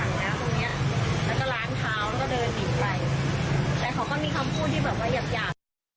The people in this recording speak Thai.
แต่เขาก็มีคำพูดที่เหยียบ